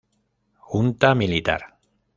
Junta Militar.